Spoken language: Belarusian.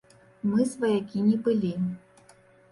Мы сваякі не былі.